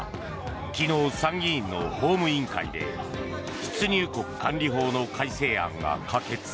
昨日、参議院の法務委員会で出入国管理法の改正案が可決。